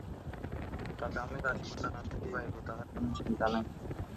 টাকা আমি রাজপুতানাতেই পাইব, তাহার কোন চিন্তা নাই।